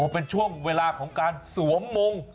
เป็นช่วงเวลาของการสวมมง